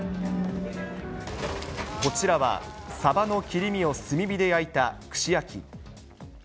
こちらはサバの切り身を炭火で焼いた串焼き。